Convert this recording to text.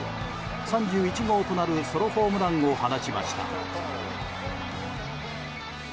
３１号となるソロホームランを放ちました。